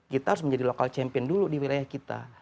kita harus menjadi local champion dulu di wilayah kita